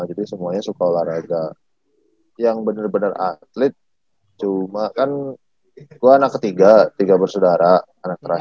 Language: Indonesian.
jadi semuanya suka olahraga yang bener bener atlet cuma kan gua anak ketiga tiga bersudara anak terakhir